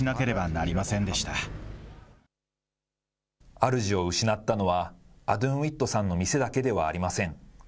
あるじを失ったのは、アドゥンウィットさんの店だけではありません。